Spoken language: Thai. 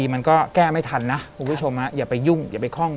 มันก็แก้ไม่ทันนะคุณผู้ชมอย่าไปยุ่งอย่าไปคล่อง